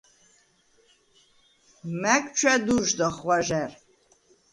მა̈გ ჩვა̈დუ̄ჟდახ ღვაჟა̈რ.